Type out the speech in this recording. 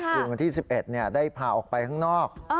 ว่าส่วนกลับที่๑๑ได้พาออกไปข้างนอก